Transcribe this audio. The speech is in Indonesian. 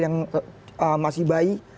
yang masih bayi